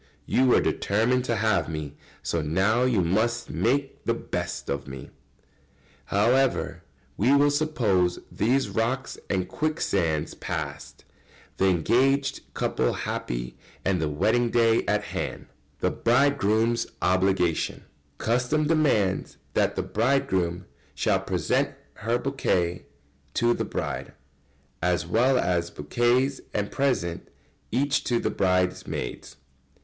You were determined to have me, so now you must make the best of me." However, we will suppose these rocks and quicksands past, the engaged couple happy, and the wedding day at hand. [Sidenote: The bridegroom's obligations.] Custom demands that the bridegroom shall present her bouquet to the bride, as well as bouquets and a present each to the bridesmaids.